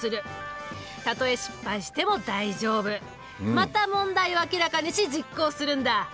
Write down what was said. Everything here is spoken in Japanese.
また問題を明らかにし実行するんだ。